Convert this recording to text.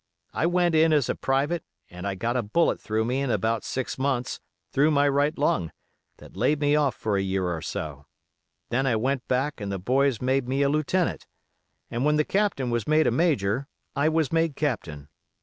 I went in as a private, and I got a bullet through me in about six months, through my right lung, that laid me off for a year or so; then I went back and the boys made me a lieutenant, and when the captain was made a major, I was made captain.